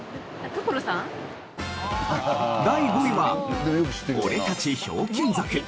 第５位は『オレたちひょうきん族』。